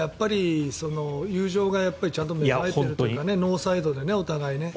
友情がちゃんと芽生えているというかノーサイドでお互いにね。